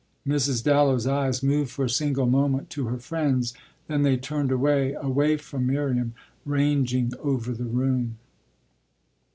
Mrs. Dallow's eyes moved for a single moment to her friend's; then they turned away away from Miriam, ranging over the room.